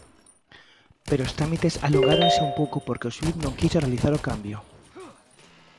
Pero os trámites alongáronse un pouco porque o xuíz non quixo realizar o cambio.